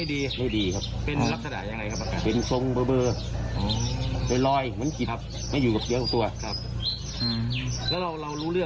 คิดว่าเศษครับคุณพี่คิดว่าเศษ